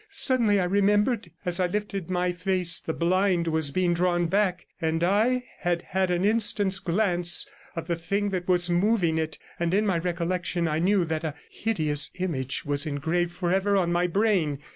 Suddenly I remembered; as I lifted my face the blind was being drawn back, and I had had an instant's glance of the thing that was moving it, and in my recollection I knew that a hideous image was engraved forever on my brain.